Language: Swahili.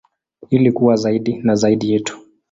Ili kuwa zaidi na zaidi yetu.